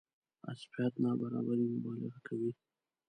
حذفيات نابرابرۍ مبالغه کوي.